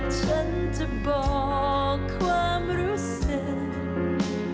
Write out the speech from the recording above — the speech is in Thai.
ฉันจะบอกความรู้สึก